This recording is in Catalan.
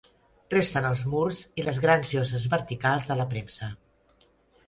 Resten els murs i les grans lloses verticals de la premsa.